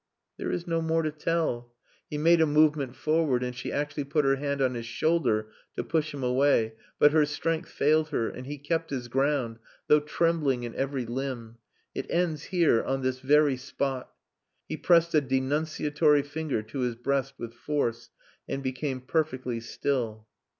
"There is no more to tell!" He made a movement forward, and she actually put her hand on his shoulder to push him away; but her strength failed her, and he kept his ground, though trembling in every limb. "It ends here on this very spot." He pressed a denunciatory finger to his breast with force, and became perfectly still.